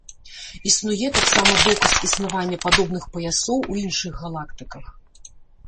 Існуе таксама доказ існавання падобных паясоў у іншых галактыках.